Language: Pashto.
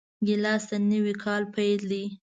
ګیلاس د نوي کاله پیل دی.